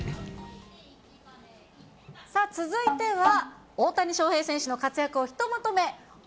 さあ、続いては大谷翔平選手の活躍をひとまとめ。